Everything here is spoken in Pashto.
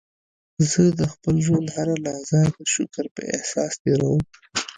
زه د خپل ژوند هره لحظه د شکر په احساس تېرووم.